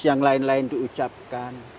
yang lain lain diucapkan